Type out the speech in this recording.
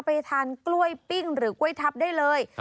ไปทานกล้วยปิ้งหรือกล้วยทับได้เลย